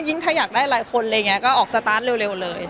ถ้าอยากได้หลายคนอะไรอย่างนี้ก็ออกสตาร์ทเร็วเลย